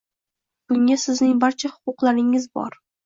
Bunga sizning barcha huquqlaringiz bor